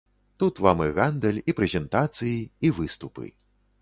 Тут вам і гандаль, і прэзентацыі, і выступы.